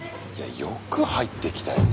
よく入ってきたよね。